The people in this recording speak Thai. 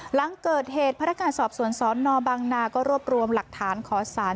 หลังเกิดเหตุพนักงานสอบสวนสนบังนาก็รวบรวมหลักฐานขอสาร